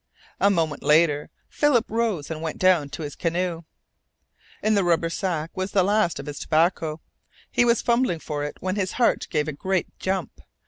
A moment later Philip rose and went down to his canoe. In the rubber sack was the last of his tobacco. He was fumbling for it when his heart gave a great jump.